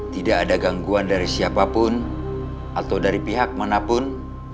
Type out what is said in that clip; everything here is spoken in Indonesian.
tidak ada gangguan dari siapapun atau dari pihak manapun